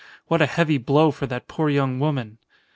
What a heavy blow for that poor young woman!